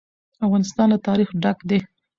افغانستان له تاریخ ډک دی.